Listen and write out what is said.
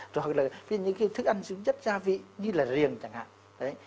rồi hoặc là những cái thức ăn dưới chất gia vị như là riềng chẳng hạn